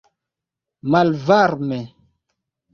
malvarme